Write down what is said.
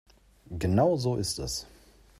Genau so ist es.